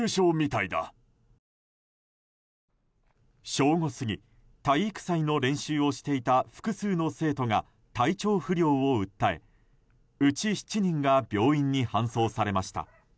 正午過ぎ、体育祭の練習をしていた複数の生徒が体調不良を訴え、うち７人が病院に搬送されました。